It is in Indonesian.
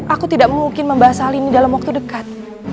aku tidak mungkin membahas hal ini dalam waktu dekat